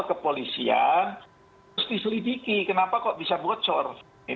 ya kemudian kemudian kepolisian terus diselidiki kenapa kok bisa bocor